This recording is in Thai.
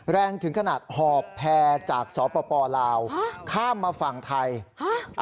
แรงถึงขนาดหอบแพร่จากสปลาวข้ามมาฝั่งไทยฮะ